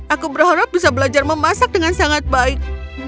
aku berharap bisa belajar memasak dengan sangat baik